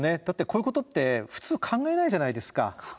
だってこういうことって普通考えないじゃないですか。